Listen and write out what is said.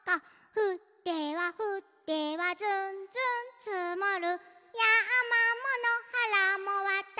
「ふってはふってはずんずんつもる」「やまものはらもわたぼうしかぶり」